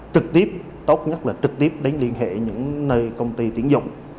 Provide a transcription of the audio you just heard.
trực tiếp tốt nhất là trực tiếp đến liên hệ những nơi công ty tiếng giọng